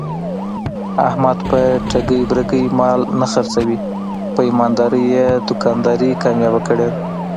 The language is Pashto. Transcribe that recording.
احمد په ټګۍ برگۍ مال نه خرڅوي. په ایماندارۍ یې دوکانداري کامیاب کړې ده.